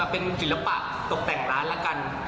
เป็นศิลปะตกแต่งร้านละกัน